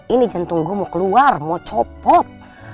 ini jantung gue mau keluar mau copot